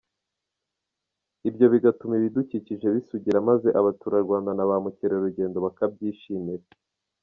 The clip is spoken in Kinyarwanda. Ibyo bigatuma ibidukikije bisugira maze abaturarwanda na ba mukerarugendo bakabyishimira.”